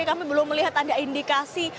jadi kami belum melihat ada indikasi